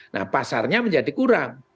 nah pasarnya menjadi kurang